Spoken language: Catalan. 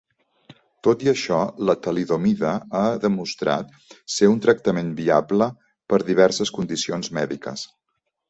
Tot i això, la talidomida ha demostrat ser un tractament viable per diverses condicions mèdiques.